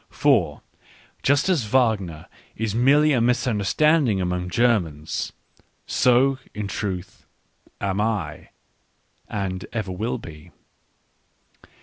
For, just as Wagner is merely a misunderstanding among Germans, so, in truth, am I, and ever wiH ,be.